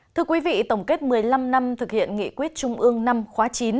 thưa quý vị tổng kết một mươi năm năm thực hiện nghị quyết trung ương năm khóa chín